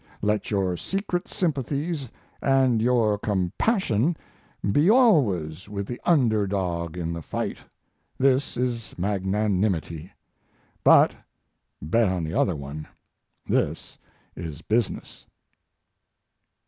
Let your secret sympathies and your compassion be always with the under dog in the fight this is magnanimity; but bet on the other one this is business.